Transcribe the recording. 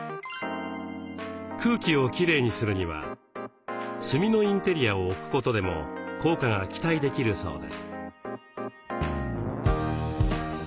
空気をきれいにするには炭のインテリアを置くことでも効果が期待できるそうです。